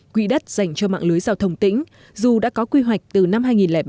quỹ đất dành cho mạng lưới giao thông tỉnh dù đã có quy hoạch từ năm hai nghìn ba